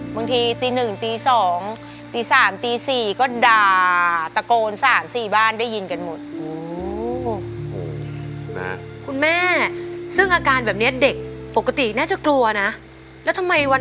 บางทีตี๑ตี๒ตี๓ตี๔ก็ด่าตะโกน๓๔บ้านได้ยินกันหมด